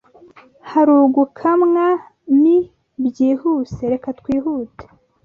Hagurukamwamibyihuse reka twihute